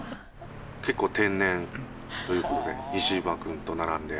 結構天然ということで、西島君と並んで。